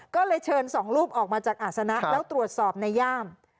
ก็เลยเชิญสองรูปออกมาจากอาศนะแล้วตรวจสอบในย่าม